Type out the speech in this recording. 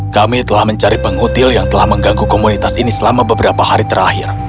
kami telah mencari pengutil yang telah mengganggu komunitas ini selama beberapa hari terakhir